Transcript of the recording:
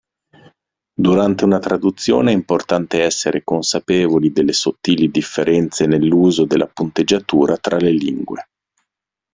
Durante una traduzione è importante essere consapevoli delle sottili differenze nell'uso della punteggiatura tra le lingue.